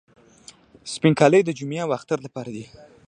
سپین کالي د جمعې او اختر لپاره دي.